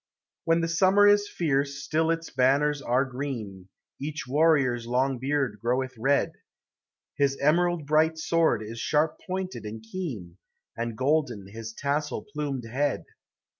When the summer is fierce still its banners are green, Each warrior's long beard groweth red, His emerald bright sword is sharp pointed and keen, And golden his tassel plumed head.